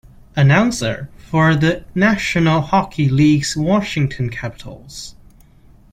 Announcer for the National Hockey League's Washington Capitals.